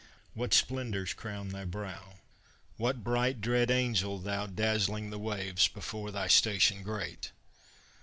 What splendors crown thy brow? What bright dread angel Thou, Dazzling the waves before Thy station great?